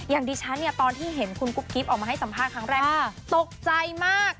อย่างดิฉันเนี่ยตอนที่เห็นคุณกุ๊กกิ๊บออกมาให้สัมภาษณ์ครั้งแรกตกใจมาก